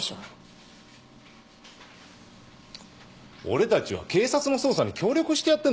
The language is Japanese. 俺たちは警察の捜査に協力してやってんだぞ。